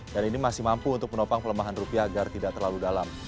dan ini masih mampu untuk menopang kelemahan rupiah agar tidak terlalu dalam